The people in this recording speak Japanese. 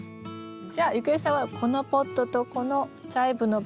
じゃあ郁恵さんはこのポットとこのチャイブのポット